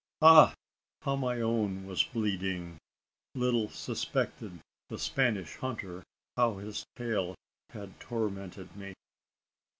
Ah! how my own was bleeding. Little suspected the Spanish hunter how his tale had tortured me!